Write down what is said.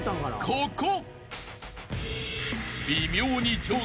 ここ。